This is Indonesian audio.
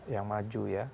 yang maju ya